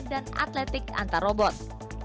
dan atletik antar robot